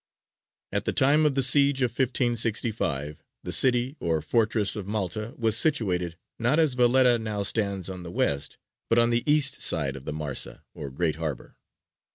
At the time of the siege of 1565 the city or fortress of Malta was situated, not as Valetta now stands on the west, but on the east side of the Marsa or great harbour.